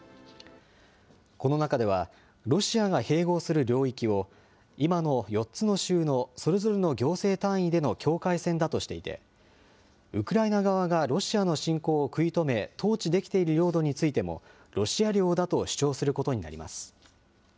この中では、ロシアが併合する領域を、今の４つの州のそれぞれの行政単位での境界線だとしていて、ウクライナ側がロシアの侵攻を食い止め、統治できている領土についても、ロシア領だと主張することになります。